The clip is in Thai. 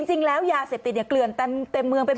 จริงแล้วยาเสพติดเกลื่อนเต็มเมืองไปบอก